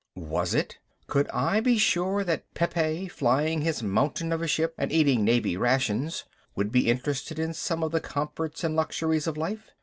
Was it? Could I be sure that Pepe, flying his mountain of a ship and eating Navy rations, would be interested in some of the comforts and luxuries of life?